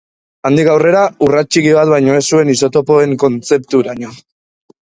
Handik aurrera, urrats txiki bat baino ez zuen isotopoen kontzepturaino.